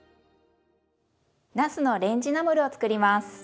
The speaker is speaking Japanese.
なすのレンジナムルを作ります。